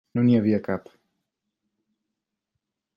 No n'hi havia cap.